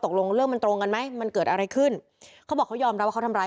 ตกลงเรื่องมันตรงกันไหมมันเกิดอะไรขึ้นเขาบอกเขายอมรับว่าเขาทำร้าย